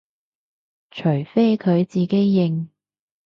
除非佢自己認